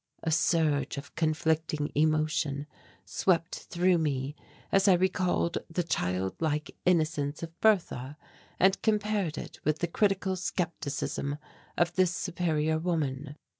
A surge of conflicting emotion swept through me as I recalled the child like innocence of Bertha and compared it with the critical scepticism of this superior woman.